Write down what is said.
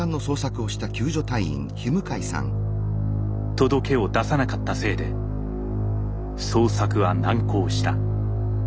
届けを出さなかったせいで捜索は難航した。